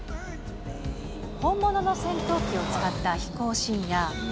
本物の戦闘機を使った飛行シーンや。